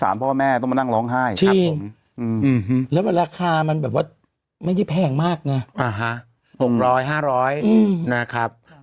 ๖๐๐บาท๕๐๐๐บาทนะครับ